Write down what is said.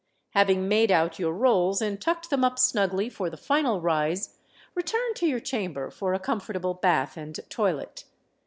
Having made out your rolls and tucked them up snugly for the final rise, return to your chamber for a comfortable bath and toilet.